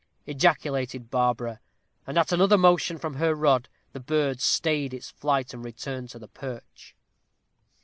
ejaculated Barbara. And at another motion from her rod the bird stayed its flight and returned to its perch.